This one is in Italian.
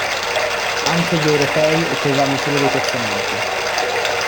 Anche agli europei otterranno solo dei piazzamenti.